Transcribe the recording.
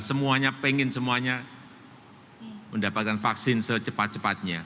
semuanya pengen semuanya mendapatkan vaksin secepat cepatnya